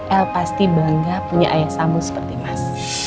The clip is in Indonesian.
el pasti bangga punya ayah samu seperti mas